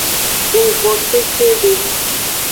Ng von kekede.